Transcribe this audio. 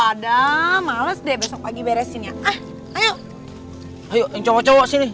ada males deh besok pagi beresin ya ah ayo ayo yang cowok cowok sini